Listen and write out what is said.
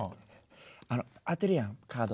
あの当てるやんカード。